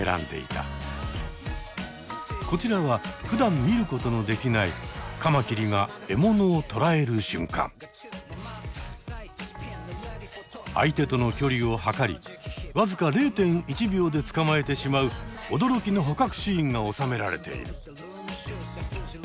こちらはふだん見ることのできない相手との距離を測りわずか０．１秒で捕まえてしまう驚きの捕獲シーンがおさめられている。